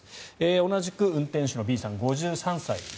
同じく運転手のＢさん５３歳。